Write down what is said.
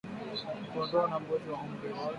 Kondoo na mbuzi wa umri wote